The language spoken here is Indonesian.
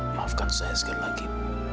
maafkan saya sekali lagi